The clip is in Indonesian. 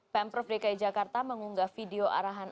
pemprov dki jakarta mengunggah video arahan